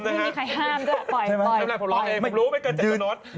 ไม่มีใครห้ามด้วยค่ะปล่อย